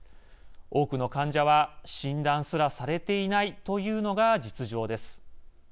多くの患者は診断すらされていないというのが実情です。